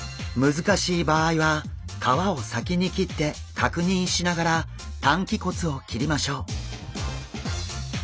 難しい場合は皮を先に切ってかくにんしながら担鰭骨を切りましょう。